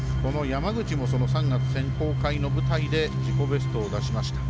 山口も３月選考会の舞台で自己ベストを出しました。